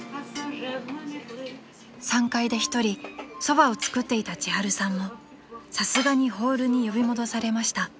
［３階で一人そばを作っていた千春さんもさすがにホールに呼び戻されました］